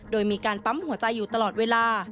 โดยมีการปั๊มหัวใจอยู่ตลอดเวลา